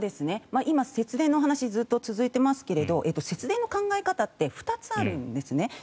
今、節電のお話ずっと続いてますけど節電の考え方って２つあるんですね。